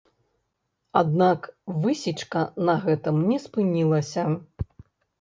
Аднак высечка на гэтым не спынілася.